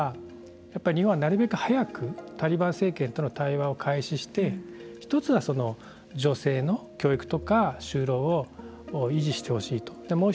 長期的にはやっぱり日本はなるべく早くタリバン政権との対話を開始して１つは、女性の教育とか就労を維持してほしいと。